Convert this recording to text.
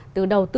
từ đầu tư